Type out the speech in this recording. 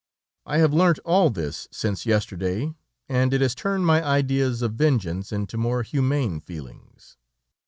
I have learnt all this since yesterday, and it has turned my ideas of vengeance into more humane feelings.